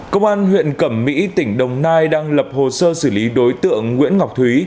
công an huyện cẩm mỹ tỉnh đồng nai đang lập hồ sơ xử lý đối tượng nguyễn ngọc thúy